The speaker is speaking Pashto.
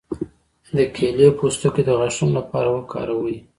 د کیلې پوستکی د غاښونو لپاره وکاروئ